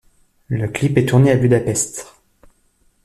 Le clip est tourné à Budapest.